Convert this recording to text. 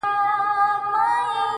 o چي د ياره وائې، د ځانه وائې.